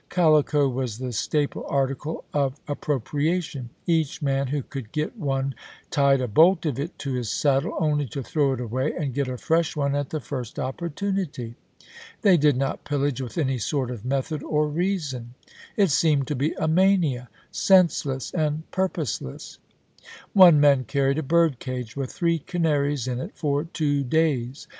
Calico was the staple article of ap propriation — each man who could get one tied a bolt of it to his saddle, only to throw it away and get a fresh one at the first opportunity. They did not pillage with any sort of method or reason — it seemed to be a mania, senseless and purpose less. One man carried a bu'd cage with three canaries in it for two days.